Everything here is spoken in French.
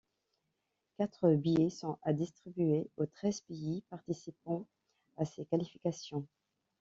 Quatre billets sont à distribuer aux treize pays participant à ces qualifications.